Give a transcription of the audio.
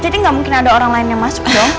jadi gak mungkin ada orang lain yang masuk dong